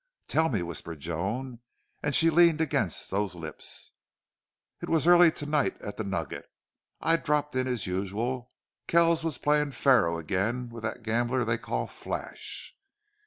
"Tell me!" whispered Joan, and she leaned against those lips. "It was early to night at the Nugget. I dropped in as usual. Kells was playing faro again with that gambler they call Flash.